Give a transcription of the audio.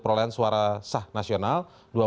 perolehan suara sah nasional